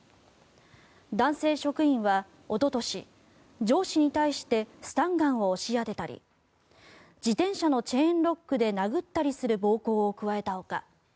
男性職員は、おととし上司に対してスタンガンを押し当てたり自転車のチェーンロックで殴ったりする暴行を加えたほか